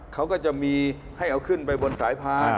เขาก็จะมีให้เอาขึ้นไปบนสายพา